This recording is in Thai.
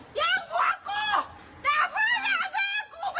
กุบอกหลายครั้งแล้ว